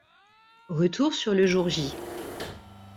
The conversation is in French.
Retour sur le jour J.